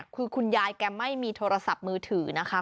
คือคุณยายแกไม่มีโทรศัพท์มือถือนะคะ